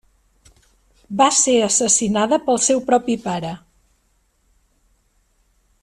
Va ser assassinada pel seu propi pare.